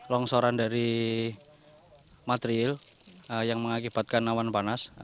longsoran dari material yang mengakibatkan awan panas